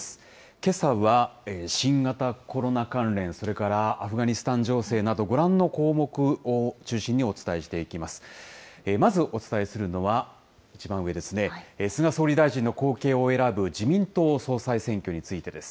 けさは新型コロナ関連、それからアフガニスタン情勢など、ご覧の項目を中心にお伝えしていきます。